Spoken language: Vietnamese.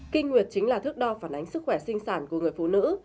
kinh nguyệt chính là thước đo phản ánh sức khỏe sinh sản của người phụ nữ